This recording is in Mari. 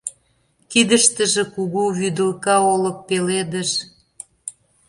Кидыштыже кугу вӱдылка олык пеледыш.